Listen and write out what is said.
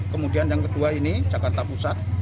kemudian yang kedua ini jakarta pusat